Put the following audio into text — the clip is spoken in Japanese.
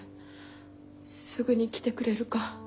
すぐに来てくれるか。